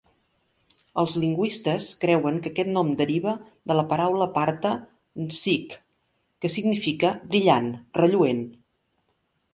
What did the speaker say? Els lingüistes creuen que aquest nom deriva de la paraula parta "Ns'yk", que significa "brillant", "relluent".